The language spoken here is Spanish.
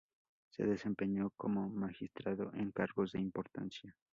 Se desempeñó como magistrado en cargos de importancia.